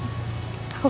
aku nanya kak dan rena